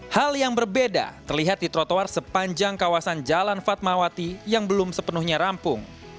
hal yang berbeda terlihat di trotoar sepanjang kawasan jalan fatmawati yang belum sepenuhnya rampung